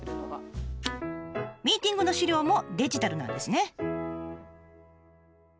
ミーティングの資料もデジタルなんですね。